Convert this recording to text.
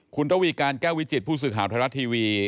คุณระวีการแก้ววิจิตผู้สื่อข่าวไทยรัฐทีวี